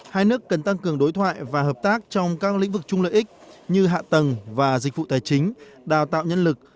hai nước cần tăng cường đối thoại và hợp tác trong các lĩnh vực chung lợi ích như hạ tầng và dịch vụ tài chính đào tạo nhân lực